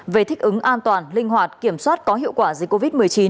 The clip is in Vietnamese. về thích ứng an toàn linh hoạt kiểm soát có hiệu quả dịch covid một mươi chín